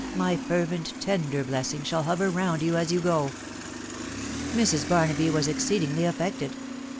my fervent, tender blessing, shall hover round you as you go !" Mrs. Barnaby was exceedingly affected.